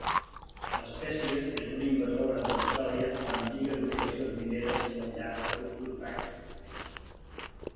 La espècie és una invasora d'Austràlia a antigues ubicacions mineres i al llarg de cursos d'aigua.